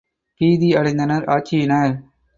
பீதி அடைந்தனர் ஆட்சியினர்.